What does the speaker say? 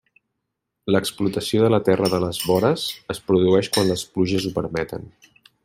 L'explotació de la terra de les vores es produeix quan les pluges ho permeten.